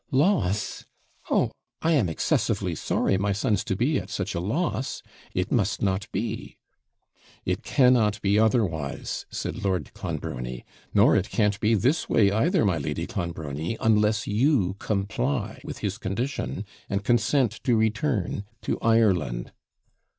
'Loss! Oh, I am excessively sorry my son's to be at such a loss it must not be.' 'It cannot be otherwise,' said Lord Clonbrony; 'nor it can't be this way either, my Lady Clonbrony, unless you comply with his condition, and consent to return to Ireland.'